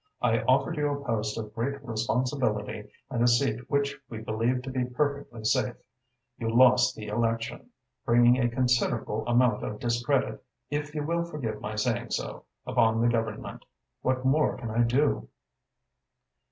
I offered you a post of great responsibility and a seat which we believed to be perfectly safe. You lost the election, bringing a considerable amount of discredit, if you will forgive my saying so, upon the Government. What more can I do?"